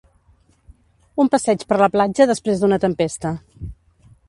Un passeig per la platja després d'una tempesta.